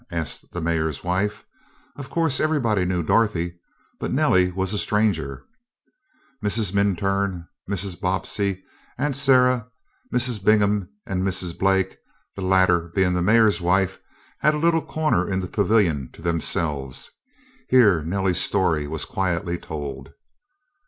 asked the mayor's wife. Of course everybody knew Dorothy, but Nellie was a stranger. Mrs. Minturn, Mrs. Bobbsey, Aunt Sarah, Mrs. Bingham, and Mrs. Blake, the latter being the mayor's wife, had a little corner in the pavilion to themselves. Here Nellie's story was quietly told.